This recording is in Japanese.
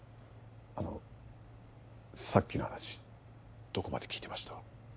あのさっきの話どこまで聞いてました？